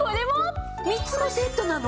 ３つもセットなの？